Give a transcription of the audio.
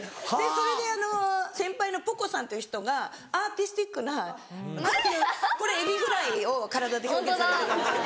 それで先輩の歩子さんっていう人がアーティスティックなこれエビフライを体で表現されてるんですけども。